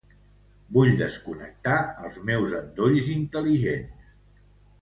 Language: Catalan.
Vull desconnectar els meus endolls intel·ligents.